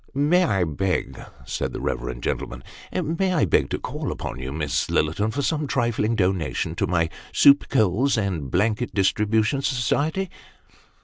"May I beg," said the reverend gentleman, "may I beg to call upon you, Miss Lillerton, for some trifling donation to my soup, coals, and blanket distribution society